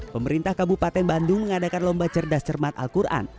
pemerintah kabupaten bandung mengadakan lomba cerdas cermat al quran